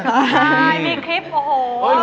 ใช่มีคลิปโอ้โห